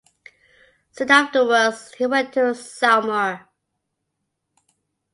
Soon afterwards he went to Saumur.